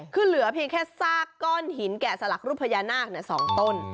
คือเหลือเพียงแค่ซากก้อนหินแกะสลักรูปพญานาค๒ต้น